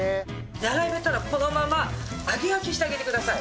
並べたらこのまま揚げ焼きしてあげてください。